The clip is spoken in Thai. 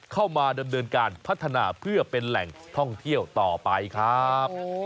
เข้ามาดำเนินการพัฒนาเพื่อเป็นแหล่งท่องเที่ยวต่อไปครับ